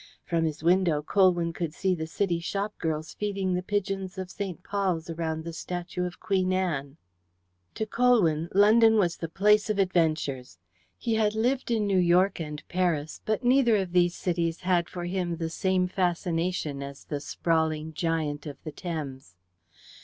From his window Colwyn could see the City shopgirls feeding the pigeons of St. Paul's around the statue of Queen Anne. To Colwyn, London was the place of adventures. He had lived in New York and Paris, but neither of these cities had for him the same fascination as the sprawling giant of the Thames.